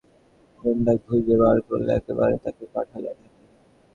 কোথা থেকে দাশুর মাপের এক গুণ্ডা খুঁজে বার করলে– একেবারে তাকে পাঠালে ঢাকায়।